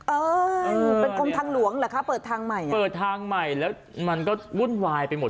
เอ้ยเป็นกรมทางหลวงเหรอคะเปิดทางใหม่เปิดทางใหม่แล้วมันก็วุ่นวายไปหมด